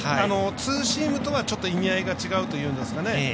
ツーシームとはちょっと意味合いが違うといいますかね。